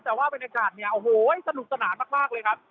แต่ว่าบรรยากาศเนี่ยโอ้โหสนุกสนานมากเลยครับ